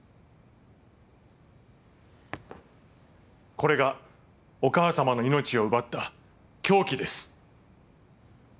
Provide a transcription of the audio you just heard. これがお母さまの命を奪った凶器です。